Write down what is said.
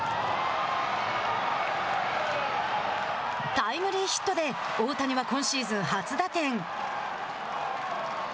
タイムリーヒットで大谷は今シーズン初打点。